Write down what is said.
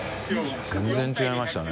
漢違いましたね。